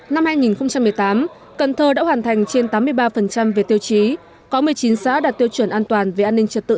năm hai nghìn một mươi tám cần thơ đã hoàn thành trên tám mươi ba về tiêu chí có một mươi chín xã đạt tiêu chuẩn an toàn về an ninh trật tự